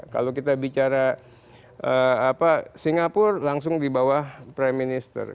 kalau kita bicara singapura langsung di bawah prime minister